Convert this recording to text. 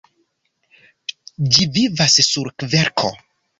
Ĝi vivas sur kverko.